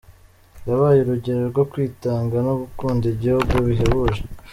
Yabaye urugero rwo kwitanga no gukunda igihugu bihebuje.